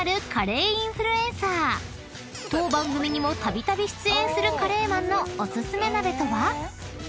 ［当番組にもたびたび出演するカレーマンのお薦め鍋とは？］